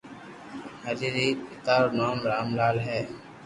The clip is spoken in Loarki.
ھري ري پيتا رو نوم رام لال ھي